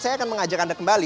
saya akan mengajak anda kembali